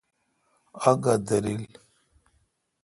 اگا دریل